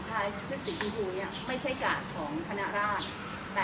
ไม่ใช่กราศของคณราช